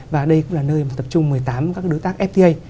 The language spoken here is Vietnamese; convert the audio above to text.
và đây cũng là nơi mà tập trung một mươi tám các đối tác fta